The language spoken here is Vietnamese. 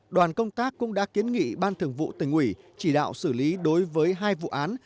đoàn công tác cũng đã kiến nghị ban thường vụ tỉnh ủy chỉ đạo xử lý đối với hai vụ án